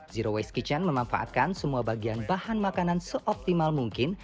zero waste kitchen memanfaatkan semua bagian bahan makanan seoptimal mungkin